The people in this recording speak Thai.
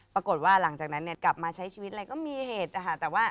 ปรากฏว่าหลังจากนั้นเนี่ยกลับมาใช้ชีวิตอะไรก็มีเหตุนะคะ